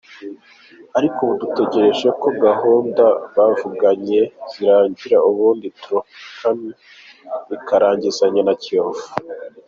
Ariko ubu dutegereje ko gahunda bavuganye zirangira, ubundi Topolcany ikarangizanya na Kiyovu”.